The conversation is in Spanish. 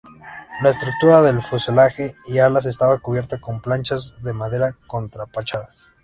La estructura del fuselaje y alas estaba cubierta con planchas de madera contrachapada.